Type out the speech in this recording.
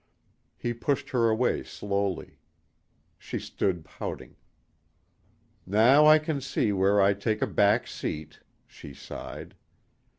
He pushed her away slowly. She stood pouting. "Now I can see where I take a back seat," she sighed.